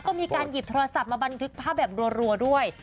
ก็มีการหยิบโทรศัพท์มาบันทึกภาพแบบรัวด้วย